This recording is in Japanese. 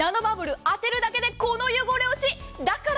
ナノバブル当てるだけでこの汚れ落ち。